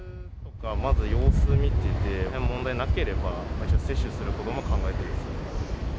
まず様子見てて、問題なければ、一応接種することも考えています。